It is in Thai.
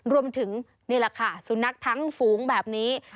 รวมถึงนี่แหละค่ะสุนัขทั้งฟู๋งแบบนี้